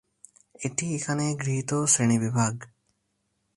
এটি এখানে গৃহীত শ্রেণীবিভাগ।